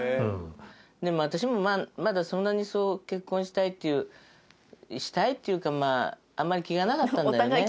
でも私もまだそんなに結婚したいっていうしたいっていうかあんまり気がなかったんだよね。